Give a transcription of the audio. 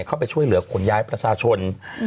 เข้าไปช่วยเหลือขนย้ายประชาชน